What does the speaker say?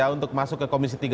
untuk masuk ke komisi tiga